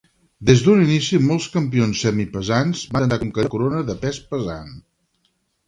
Des d'un inici, molts campions semipesants van intentar conquerir també la corona de pes pesant.